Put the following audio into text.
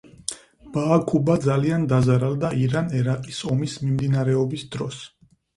ბააქუბა ძალიან დაზარალდა ირან-ერაყის ომის მიმდინარეობის დროს.